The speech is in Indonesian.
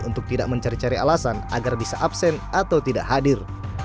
untuk tidak mencari cari alasan agar bisa absen atau tidak hadir